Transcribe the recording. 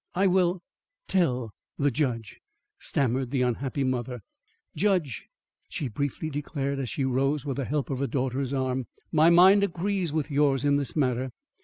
"I will tell the judge," stammered the unhappy mother. "Judge," she briefly declared, as she rose with the help of her daughter's arm, "my mind agrees with yours in this matter.